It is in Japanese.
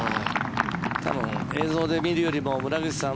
多分、映像で見るよりも村口さん